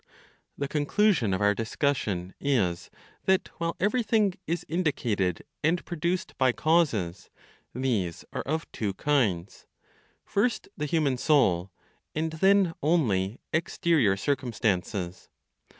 The conclusion of our discussion is that while everything is indicated and produced by causes, these are of two kinds: First the human soul, and then only exterior circumstances.